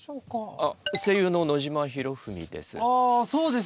あ声優の野島裕史です。